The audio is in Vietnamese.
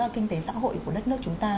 kinh tế xã hội của đất nước chúng ta